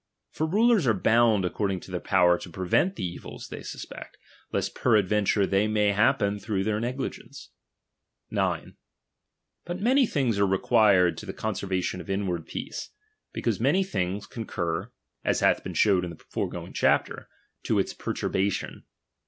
For rulers are bound according to their power to prevent the evils they suspect ; lest peradventure they may happen through their negligence. 9. But many things are required to the conser ^^|jejj'j|||,^j^ vation of inward peace ; because many things con i"fi''ii<i"'^''inp., cur (as hath been showed in the foregoing chapter) iheiireserriug or to its perturbation.